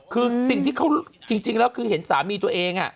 คือสิ่งที่เขาจริงแล้วคือเห็นสามีตัวเอง